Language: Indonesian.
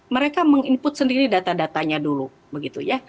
mereka meng input sendiri data datanya dulu